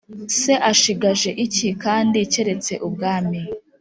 Se ashigaje iki kandi keretse ubwami